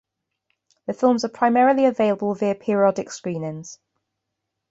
The films are primarily available via periodic screenings.